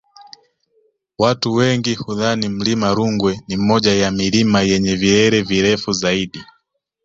Watu wengi hudhani mlima Rungwe ni moja ya milima yenye vilele virefu zaidi